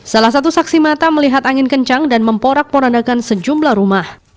salah satu saksi mata melihat angin kencang dan memporak porandakan sejumlah rumah